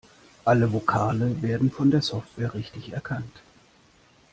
Alle Vokale werden von der Software richtig erkannt.